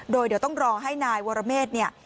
โดยเดี๋ยวต้องรอให้นายวรเมฆเนี่ย